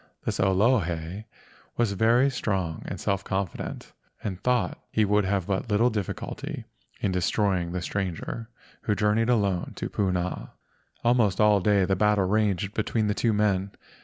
This Olohe was very strong and self confident, and thought he would have but little difficulty in destroying this stranger who jour¬ neyed alone through Puna. Almost all day the battle raged between the two men.